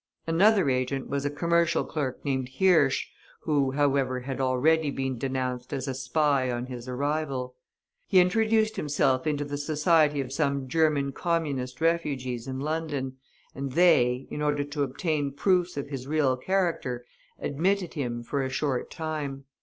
Another agent was a commercial clerk named Hirsch, who, however, had already been denounced as a spy on his arrival. He introduced himself into the society of some German Communist refugees in London, and they, in order to obtain proofs of his real character, admitted him for a short time.